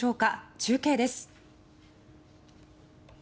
中継です。